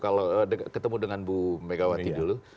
kalau ketemu dengan bu megawati dulu